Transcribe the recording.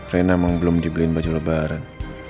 rena memang belum dibeliin baju lebaran